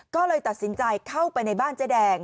ก็เลยตัดสินใจเข้าไปในบ้านเจ๊แดง